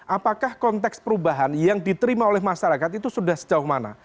apakah konteks perubahan yang diterima oleh masyarakat itu sudah sejauh mana